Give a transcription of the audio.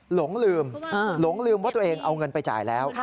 หลงลืมหลงลืมว่าตัวเองเอาเงินไปจ่ายแล้ว